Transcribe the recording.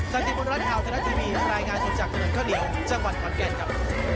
สักสิทธิ์บนรัฐข่าวเทลาทีวีรายงานส่วนจากเท่าเดียวจังหวัดขวัญแก่นครับ